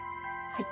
はい。